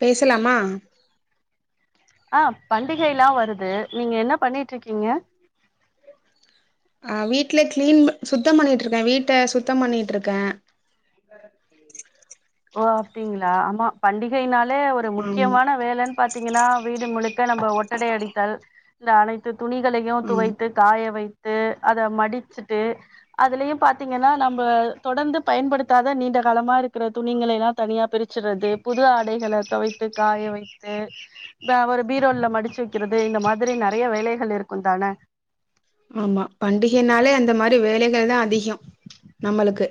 பேசலாமா ஆ பண்டிகைல்லா வருது நீங்க என்ன பண்ணிட்டுருக்கீங்க ஆ வீட்ல கிளீன் ப சுத்தம் பண்ணிட்டுருக்க வீட்ட சுத்தம் பண்ணிட்டுருக்க ஓ அப்டிங்களா ஆமா பண்டிகையினாலே ஒரு ஆமா முக்கியமான வேல பாத்தீங்கன்னா வீடு முழுக்க நம்ம ஒட்டடை அடித்தல் இந்த அனைத்து துணிகளையு ஆமா துவைத்து காய வைத்து அத மடிச்சுட்டு அதுலயு பாத்தீங்கன்னா நம்ம தொடர்ந்து பயன்படுத்தாத நீண்ட காலமா இருக்கறது துணிங்களைல்லா தனியா பிரிச்சுடுறது புது ஆடைகள துவைத்து காய வைத்து இத அவரு பீரோல்ல மடிச்சு வக்கிறது இந்த மாதிரி நறைய வேலைகள் இருக்கு தான ஆமா பண்டிகைனாலே அந்த மாரி வேலைகள் தா அதிகோ நம்மளுக்கு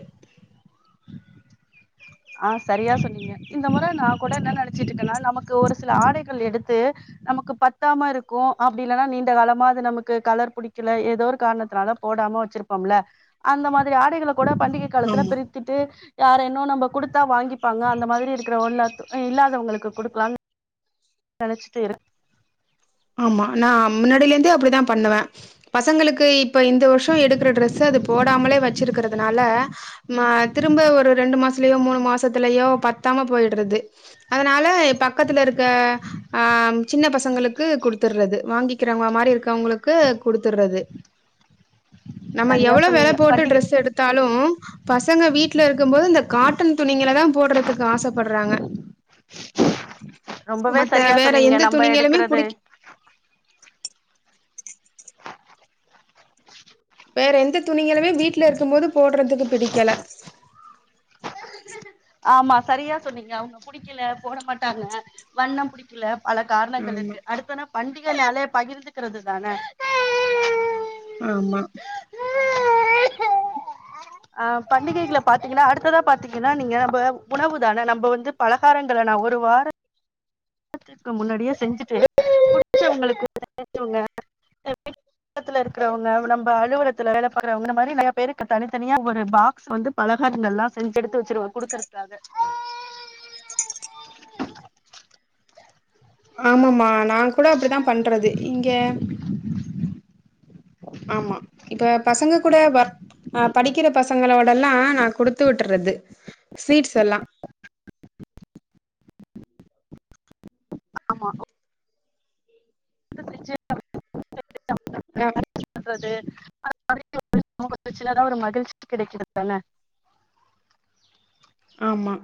ஆ சரியா சொன்னீங்க இந்த முற நா கூட என்ன நனைச்சிட்டு இருக்கன்னா நமக்கு ஒரு சில ஆடைகள் எடுத்து நமக்கு பத்தாம இருக்கு அப்டி இல்லன்னா நீண்ட காலமா அது நமக்கு கலர் புடிக்கல ஏதோ ஒரு காரணத்துனால போடாம வச்சிருப்போம்ல அந்த மாதிரி ஆடைகள கூட பண்டிகை காலத்துல ஆமா பிரித்திட்டு யார என்னோ நம்ம குடுத்தா வாங்கிப்பாங்க அந்த மாதிரி இருக்கிறவோ எல்லாத்து இ இல்லாதவுங்களுக்கு குடுக்கலான் நனைச்சிட்டே இரு ஆமா நா முன்னாடியிலந்தே அப்படிதா பண்ணுவ பசங்களுக்கு இப்போ இந்த வருஷோ எடுக்கற ட்ரெஸ்ஸ அது போடாமலே வச்சுருக்கறதுனால ஆ திரும்ப ஒரு ரெண்டு மாசலயோ மூணு மாசத்துலயோ பத்தாம போயிடுறது அதனால பக்கத்துல இருக்க ஆ சின்ன பசங்களு க்கு குடுத்துடுறது வாங்கிக்கிறவங்க மாரி இருக்கவங்களுக்கு குடுத்துடுறது நம்ம சரியா எவ்ளோ வெல சொன்னீங்க போட்டு பண்டிகை டிரெஸ் எடுத் எத்தாலும் பசங்க வீட்ல இருக்கும் போது இந்த காட்டன் துணிங்கள தான் போடுற துக்கு ஆசப்படுறாங்க ரொம்பவே மத்த சரியா வேற சொன்னீங்க எந்த நம்ம துணிங்களுமே எடுக்கறது புடிக்க வேற எந்த துணிகங்களுமே வீட்ல இருக்கும் போது போடுறதுக்கு புடிக்கல ஆமா சரியா சொன்னீங்க அவங்க புடிக்கல போட மாட்டாங்க வண்ணம் புடி க்கல பல காரணங்கள் ஆமா, இருக்கு அடுத்தன பண்டிகைனாலே பகிர்ந்துக்கிறது தானே ஆமா ஆ பண்டிகைகள பாத்தீங்கன்னா அடுத்ததா பாத்தீங்கன்னா நீங்க இப்ப உணவு தான நம்ப வந்து பலகாரங்கள நா ஒரு வார த்துக்கு முன்னாடியே செஞ்சுட்டு புடிச்சவங்களுக்கு தெரிஞ்சவங்க [inaudible] பக்கத்துல இருக்கிறவங்க நம்ம அலுவலத்தில வேல பாக்கிறவங்க மாரி நறைய பேருக்கு தனித்தனியா ஒரு பாக் சு வந்து பலகாரங்கள்லா செஞ்சு எடுத்து வச்சருவா குடுக்கருத்துக்காக ஆமாம நான் கூட அப்டித்தான் பண்றது இங்க ஆமா இப்ப பசங்க கூட வ ஆ படிக்கிற பசங்களோடல்லாம் நான் கொடுத்து விட்டுறது ஸ்வீட்ஸ் எல்லாம் ஆமா உங்க விஜய் ஆ [unintelligible] பண்றது அத மாதிரி ஒரு முகத்தச்சில தான் ஒரு மகிழ்ச்சி கிடைக்கிறது தான ஆமா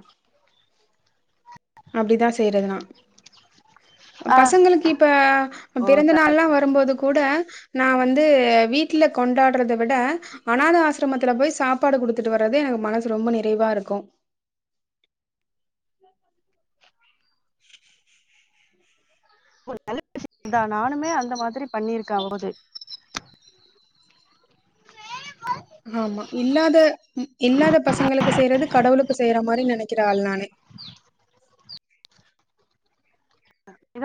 அப்டிதா செய்யறதுனா ஆ பசங்களுக்கு இப்ப ஓ பிறந்த தா நாள்ல்லாம் வரும்போது கூட நான் வந்து வீட்ல கொண்டாடுறத விட அநாத ஆசிரமத்துல போய் சாப்பாடு குடுத்துட்டு வர்றது எனக்கு மனசு ரொம்ப நிறைவா இருக்கும் ஒரு நல்ல விஷயம் தான் நானுமே அந்த மாதிரி பண்ணியிருக்கேன் அவது ஆமா இல்லாத ம் இல்லாத பசங்களுக்கு செய்யறது கடவுளுக்கு செய்யற மாரி நினைக்கிற ஆள் நானு [inaudible]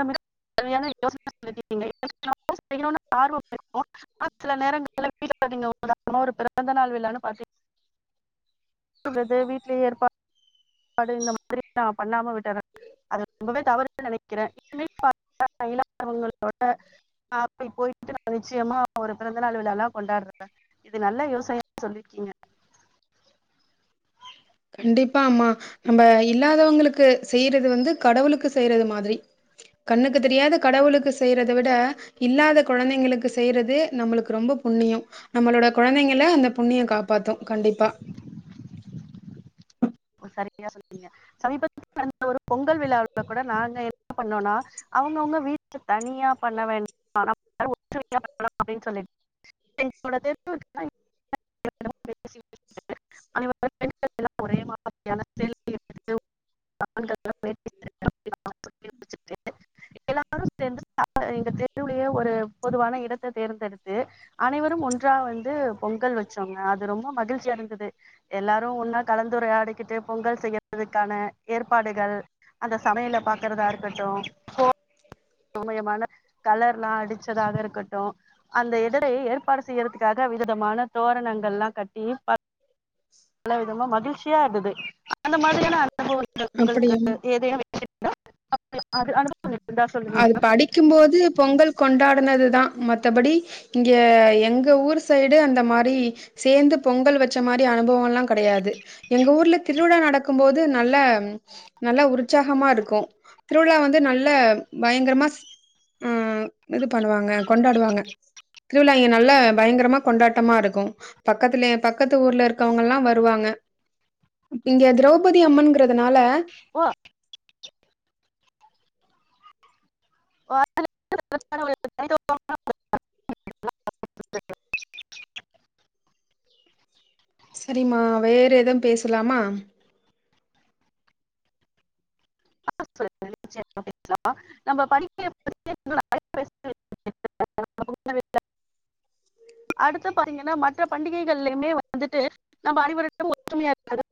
செய்ணும் ஆர்வம் இருக்கும் ஆன சில நேரங்கள வீட்ல நீங்க உதகரமா ஒரு பிறந்த நாள் விழானு பாப்பீங்க றது வீட்டிலயே ஏற்பா டு இந்த மாதிரி நான் பண்ணாம விட்டுறேன் அது ரொம்பவே தவறு நினைக்கிறேன் இனிமேல் பார்த்தா இல்லாதவங்களோட அப்ப போய்ட்டு நான் நிச்சயமா ஒரு பிறந்தநாள் விழால்லாம் கொண்டாடுறேன் இது நல்ல யோசனையா சொல்லிருக்கீங்க கண்டிப்பாமா நம்ம இல்லாதவங்களுக்கு செய்யறது வந்து கடவுளுக்கு செய்யறது மாதிரி கண்ணுக்கு தெரியாத கடவுளுக்கு செய்யறதை விட இல்லாத கொழந்தைங்களுக்கு செய்யறது நம்மளுக்கு ரொம்ப புண்ணியம் நம்மளோட குழந்தைங்கள அந்த புண்ணிய காப்பாத்தும் கண்டிப்பா சரியா சொன்னீங்க சமீபத்துல நடந்த ஒரு பொங்கல் விழாவில் கூட நாங்க என்ன பண்ணோம்னா அவங்கவுங்க வீட்ல தனியா பண்ண வேண்டாம் எல்லாரும் ஒற்றுமையா பண்ணலாம் அப்டின்னு சொல்லிட்டு [inaudible] [inaudible] [inaudible] எல்லாரு சேர்ந்துடாங்க எங்க தெருவுலயே ஒரு பொதுவான இடத்த தேர்ந்தெடுத்து அனைவரும் ஒன்றாக வந்து பொங்கல் வச்சோங்க அது ரொம்ப மகிழ்ச்சியா இருந்தது எல்லாரு ஒன்னா கலந்துரையாடி கிட்டு பொங்கல் செய்யறதுக்கான ஏற்பாடுகள் அந்த சமையல பாக்குறதா இருக்கட்டு போ [inaudible] சமயமான கலர் எல்லா அடிச்சதாக இருக்கட்டும் அந்த இடரை ஏற்பாடு செய்யறதுக்காக விவிதமான தோரணங்கள்லா கட்டி பல விதமா மகிழ்ச்சியா இருந்தது அந்த மாதிரியான அனுபவ உங்க உங்களுக்கு அப்படியாமா எதேனோ வே தா [inaudible] அது படிக்கும்போது பொங்கல் கொண்டாடுனதுதா மத்தபடி இங்க எங்க ஊர் சைடு அந்த மாரி சேந்து பொங்கல் வச்ச மாரி அனுபவல்லா கெடையாது எங்க ஊர்ல திருவிழா நடக்கும்போது நல்ல நல்ல உற்சாகமா இருக்கு ந்து நல்ல பயங்கரமா ம் இது பண்ணுவாங்க கொண்டாடுவாங்க திருவிழா இங்க நல்லா பயங்கரமா கொண்டாட்டமா இருக்கு பக்கத்துலே பக்கத்து ஊர்ல இருக்கவங்கல்லா வருவாங்க இங்க திரௌபதி அம்மன்ங்கிறதுனால ஓ [inaudible] சரிம்மா வேற எதவும் பேசலாமா [inaudible] நம்ப படிக்க [inaudible] [inaudible] அடுத்து பாத்தீங்கன்னா மற்ற பண்டிகைகள்லயுமே வந்துட்டு நம்ம அனைவரிடமு ஒற்றுமையா இருப்பது